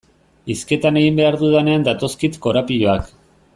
Hizketan egin behar dudanean datozkit korapiloak.